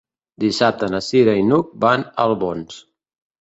Dissabte na Cira i n'Hug van a Albons.